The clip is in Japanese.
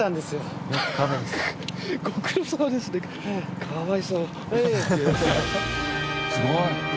すごい。